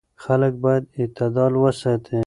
خلک باید اعتدال وساتي.